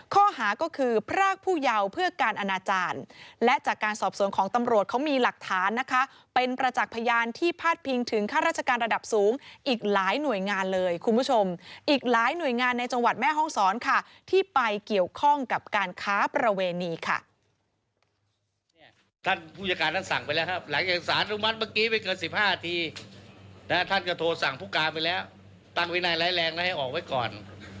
ข้อหาก็คือพรากผู้เยาว์เพื่อการอนาจารย์และจากการสอบสวนของตำรวจเขามีหลักฐานนะคะเป็นประจักษ์พยานที่พาดพิงถึงข้าราชการระดับสูงอีกหลายหน่วยงานเลยคุณผู้ชมอีกหลายหน่วยงานในจังหวัดแม่ห้องศรค่ะที่ไปเกี่ยวข้องกับการค้าประเวณีค่ะ